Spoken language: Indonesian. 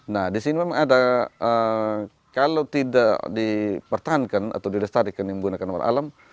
nah di sini memang ada kalau tidak dipertahankan atau dilestarikan menggunakan warna alam